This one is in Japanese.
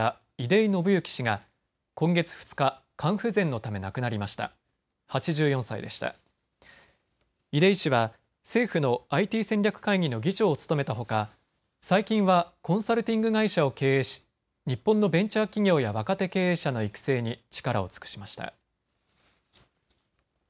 出井氏は政府のＩＴ戦略会議の議長を務めたほか最近はコンサルティング会社を経営し日本のベンチャー企業や若手経営者の育成に力を尽くしました。